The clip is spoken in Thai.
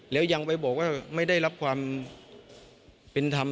แล้วยังไปบอกว่าไม่ได้รับความเป็นธรรม